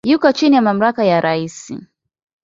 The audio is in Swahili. Yuko chini ya mamlaka ya rais.